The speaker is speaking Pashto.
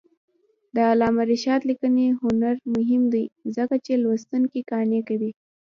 د علامه رشاد لیکنی هنر مهم دی ځکه چې لوستونکي قانع کوي.